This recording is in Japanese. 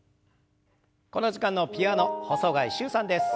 この時間のピアノ細貝柊さんです。